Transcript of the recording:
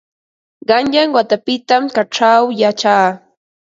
Qanyan watapitam kaćhaw yachaa.